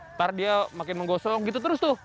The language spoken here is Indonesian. ntar dia makin menggosong gitu terus tuh